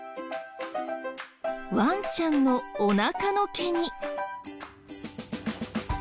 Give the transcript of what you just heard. ワンちゃんのおなかの毛に。